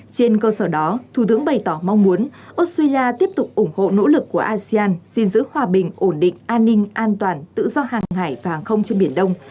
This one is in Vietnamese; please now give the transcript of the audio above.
trên cơ sở đó thủ tướng bày tỏ mong muốn australia tiếp tục ủng hộ nỗ lực của asean gìn giữ hòa bình ổn định an ninh an toàn tự do hàng hải và hàng không trên biển đông